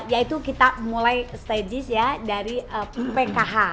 yaitu kita mulai stadies ya dari pkh